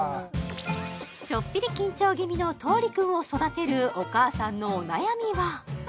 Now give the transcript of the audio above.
ちょっぴり緊張気味のとうりくんを育てるお母さんのお悩みは？